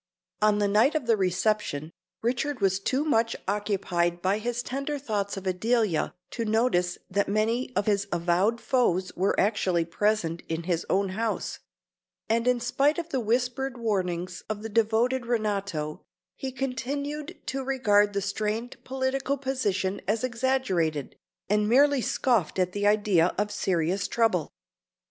On the night of the reception, Richard was too much occupied by his tender thoughts of Adelia to notice that many of his avowed foes were actually present in his own house; and in spite of the whispered warnings of the devoted Renato, he continued to regard the strained political position as exaggerated, and merely scoffed at the idea of serious trouble.